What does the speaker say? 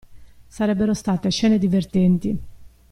Sarebbero state scene divertenti.